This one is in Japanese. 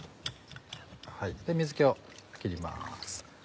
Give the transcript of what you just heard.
水気を切ります。